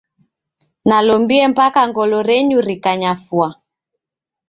Nalombie mpaka ngolo renyu rikanyafua.